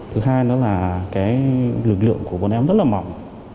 thứ hai nữa là cái lực lượng của bọn em rất là mỏng